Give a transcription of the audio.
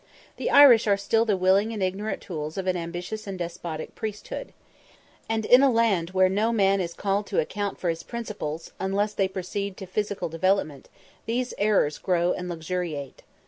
The Irish are still the willing and ignorant tools of an ambitious and despotic priesthood. And in a land where no man is called to account for his principles, unless they proceed to physical development, these errors grow and luxuriate.